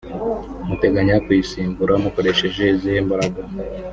muteganya kuyisimbura mukoresheje izihe mbaraga